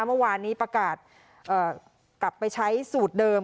เมื่อวานนี้ประกาศกลับไปใช้สูตรเดิม